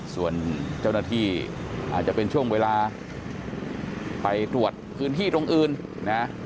ส่วนเจ้าหน้าที่อาจจะเป็นช่วงเวลาไปตรวจพื้นที่ตรงอื่นนะ